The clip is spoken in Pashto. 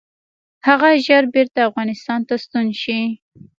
هغه ژر بیرته افغانستان ته ستون شي.